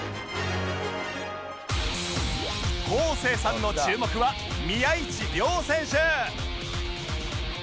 昴生さんの注目は宮市亮選手